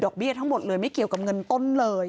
เบี้ยทั้งหมดเลยไม่เกี่ยวกับเงินต้นเลย